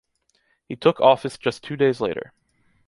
He took office just two days later.